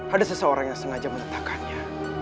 ada seseorang yang sengaja meletakkannya